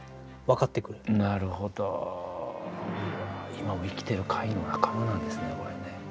今も生きてる貝の仲間なんですねこれね。